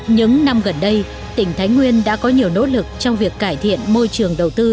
những năm gần đây tỉnh thái nguyên đã có nhiều nỗ lực trong việc cải thiện môi trường